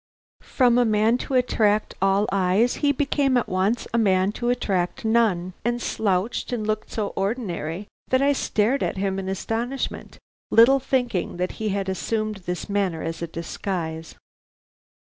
"From a man to attract all eyes he became at once a man to attract none, and slouched and looked so ordinary that I stared at him in astonishment, little thinking that he had assumed this manner as a disguise.